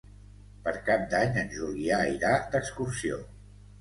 Per Cap d'Any en Julià irà d'excursió.